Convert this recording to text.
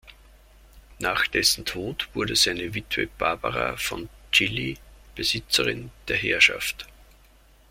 Nach dessen Tod wurde seine Witwe Barbara von Cilli Besitzerin der Herrschaft.